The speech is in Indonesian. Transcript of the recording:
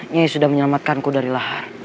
ini sudah menyelamatkanku dari lahar